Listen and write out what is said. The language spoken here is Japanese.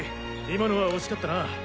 今のは惜しかったな。